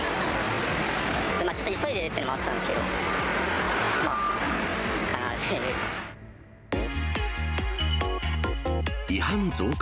ちょっと急いでいるっていうのもあったんですけど、まぁいいかな違反増加！